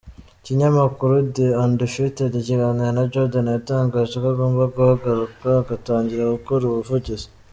Ikinyamakuru The Undefeated kiganira na Jordan yatangaje ko agomba guhaguruka agatangira gukora ubuvugizi.